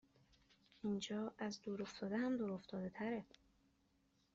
اینجااز دور افتاده هم دور افتاده تره